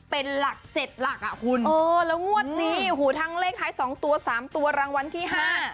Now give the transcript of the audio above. เป็นหลักเจ็ดหลักอ่ะคุณเออแล้วงวดนี้หูทั้งเลขท้ายสองตัวสามตัวรางวัลที่ห้า